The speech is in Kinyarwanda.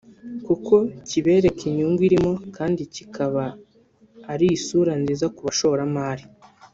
kuko kibereka inyungu irimo kandi ikaba ari isura nziza ku bashoramari